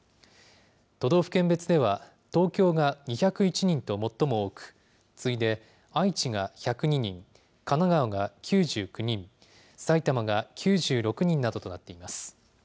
都道府県別では、東京が２０１人と最も多く、次いで愛知が１０２人、神奈川が９９人、埼玉が９６人などとなっています。